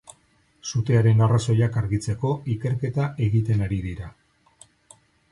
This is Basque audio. Sutearen arrazoiak argitzeko ikerketa egiten ari dira.